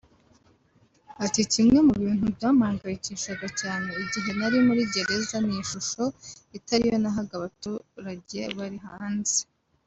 Ati” Kimwe mu bintu byampangayikishaga cyane igihe nari muri gereza ni ishusho itariyo nahaga abaturage bari hanze